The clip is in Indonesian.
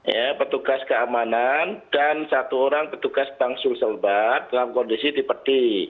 ya petugas keamanan dan satu orang petugas bank sulselbar dalam kondisi tipe d